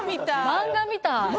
漫画みたい！